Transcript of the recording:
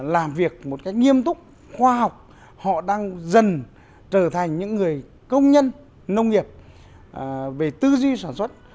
làm việc một cách nghiêm túc khoa học họ đang dần trở thành những người công nhân nông nghiệp về tư duy sản xuất